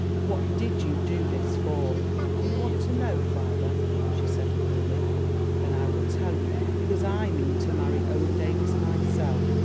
What did you do this for?" "Do you want to know, father?" she said coolly; "then I will tell you. Because I mean to marry Owen Davies myself.